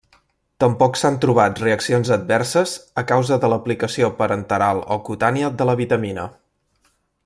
Tampoc s’han trobat reaccions adverses a causa de l'aplicació parenteral o cutània de la vitamina.